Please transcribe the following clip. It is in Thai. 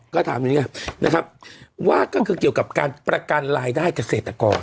ก็ถามอย่างนี้ไงนะครับว่าก็คือเกี่ยวกับการประกันรายได้เกษตรกร